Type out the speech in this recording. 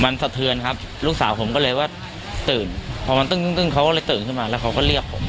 มันสะเทือนครับลูกสาวผมก็เลยว่าตื่นพอมันตึ้งเขาก็เลยตื่นขึ้นมาแล้วเขาก็เรียกผม